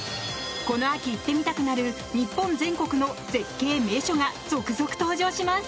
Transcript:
この秋、行ってみたくなる日本全国の絶景・名所が続々、登場します。